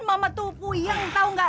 mama tuh puyeng tahu nggak